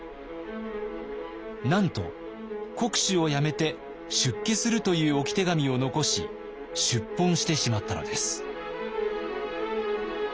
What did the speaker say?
なんと国主を辞めて出家するという置き手紙を残し出奔してしまったのです。